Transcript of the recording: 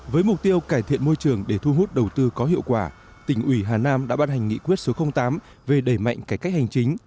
với mục tiêu cải thiện môi trường để thu hút đầu tư có hiệu quả tỉnh ủy hà nam đã ban hành nghị quyết số tám về đẩy mạnh cải cách hành chính